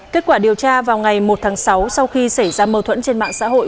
kết quả điều tra vào ngày một tháng sáu sau khi xảy ra mâu thuẫn trên mạng xã hội